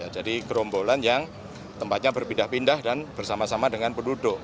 jadi kerombolan yang tempatnya berpindah pindah dan bersama sama dengan penduduk